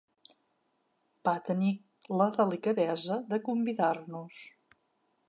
Va tenir la delicadesa de convidar-nos.